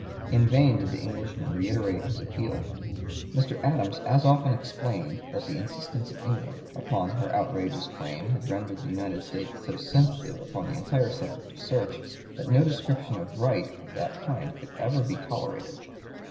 In vain did the Englishman reiterate his appeal. Mr. Adams as often explained that the insistence of England upon her outrageous claim had rendered the United States so sensitive upon the entire subject of search that no description of right of that kind could ever be tolerated.